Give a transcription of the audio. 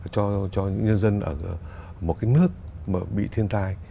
cho những nhân dân ở một cái nước mà bị thiên tai